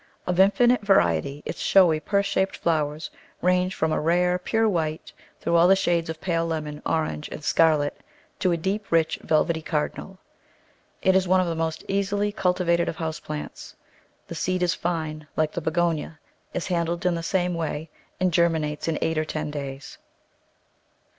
Of infinite variety, its showy purse shaped flowers range from a rare pure white through all the shades of pale lemon, orange, and scarlet to a deep, rich, vel vety cardinal. It is one of the most easily cultivated of house plants. The seed is fine like the Begonia, is handled in the same way, and germinates in eight or ten days.